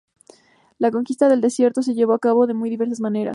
La conquista del desierto se llevó a cabo de muy diversas maneras.